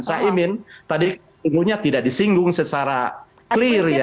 saya ingin tadi tunggu nya tidak disinggung secara clear ya